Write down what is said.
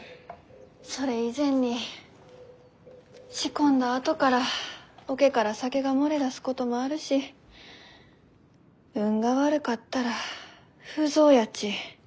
それ以前に仕込んだあとから桶から酒が漏れ出すこともあるし運が悪かったら腐造やち。